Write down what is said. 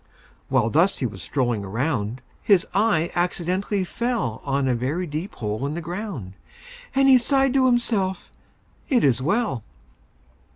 While thus he was strolling around, His eye accidentally fell On a very deep hole in the ground, And he sighed to himself, "It is well!"